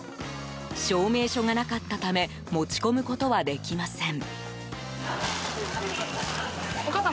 証明書がなかったため持ち込むことはできません。